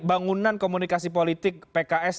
bangunan komunikasi politik pks